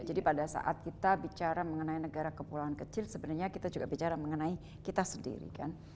jadi pada saat kita bicara mengenai negara kepulauan kecil sebenarnya kita juga bicara mengenai kita sendiri